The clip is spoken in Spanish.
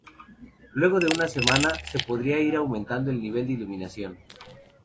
Luego de una semana, se podrá ir aumentando el nivel de iluminación.